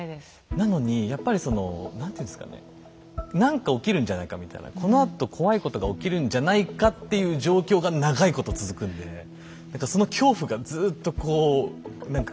なのにやっぱりその何ていうんですかね何か起きるんじゃないかみたいなこのあと怖いことが起きるんじゃないかっていう状況が長いこと続くんで何かその恐怖がずっとこう何か心をギュッてしてる状態のまま。